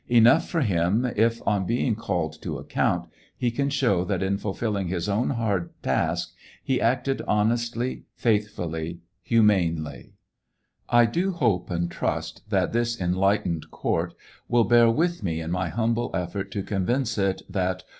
Enough for him if, on being called to account, he can show that in fulfilling his own hard task, he acted honestly, faithfully, humanely. I do hope and trust that this enhghtened court will bear with me in my humble effort to convince it that, 710 TRIAL OF HENRY WIRZ.